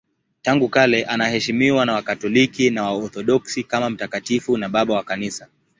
Tangu kale anaheshimiwa na Wakatoliki na Waorthodoksi kama mtakatifu na Baba wa Kanisa.